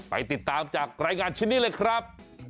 ไปติดตามจากรายงานชิ้นนี้เลยครับ